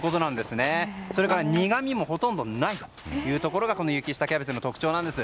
それから苦味もほとんどないというところがこの雪下キャベツの特徴なんです。